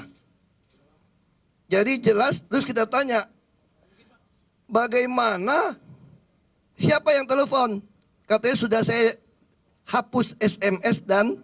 hai jadi jelas terus kita tanya bagaimana siapa yang telepon kata sudah saya hapus sms dan